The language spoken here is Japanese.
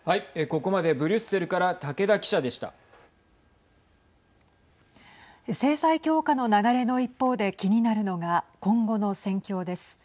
ここまでブリュッセルから制裁強化の流れの一方で気になるのが、今後の戦況です。